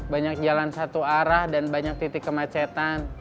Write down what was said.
banyak jalan satu arah dan banyak titik kemacetan